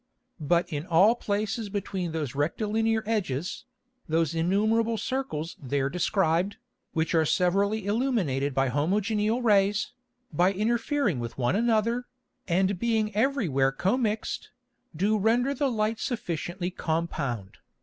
But in all places between those rectilinear edges, those innumerable Circles there described, which are severally illuminated by homogeneal Rays, by interfering with one another, and being every where commix'd, do render the Light sufficiently compound.